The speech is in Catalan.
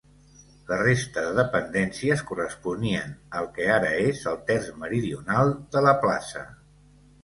La resta de dependències corresponien al que ara és el terç meridional de la plaça.